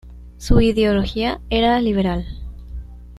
Su ideología era liberal.